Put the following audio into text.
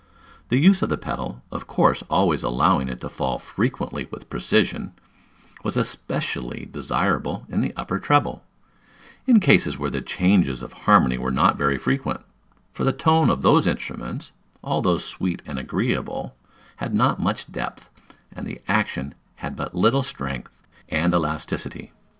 The use of the pedal, of course always allowing it to fall frequently with precision, was especially desirable in the upper treble, in cases where the changes of the harmony were not very frequent; for the tone of those instruments, although sweet and agreeable, had not much depth, and the action had but little strength and elasticity.